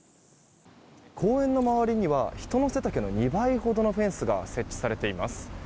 公園の周りには人の背丈の２倍ほどのフェンスが設置されています。